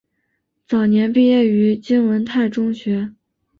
早年毕业于金文泰中学。